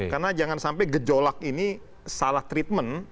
karena jangan sampai gejolak ini salah treatment